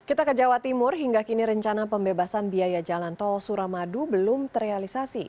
kita ke jawa timur hingga kini rencana pembebasan biaya jalan tol suramadu belum terrealisasi